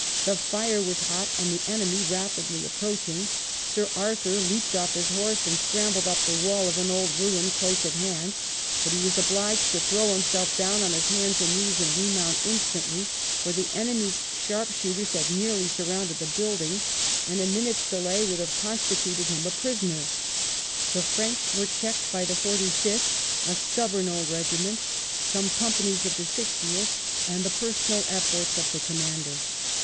The fire was hot, and the enemy rapidly approaching. Sir Arthur leaped off his horse and scrambled up the wall of an old ruin close at hand. But he was obliged to throw himself down on his hands and knees and remount instantly, for the enemy's sharpshooters had nearly surrounded the build ing, and a minute's delay would have constituted him WELLINGTON chap. a prisoner." The French were checked by the Forty fifth, " a stubborn old regiment," some companies of the Sixtieth, and the personal efforts of the commander.